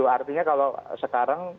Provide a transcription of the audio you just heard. artinya kalau sekarang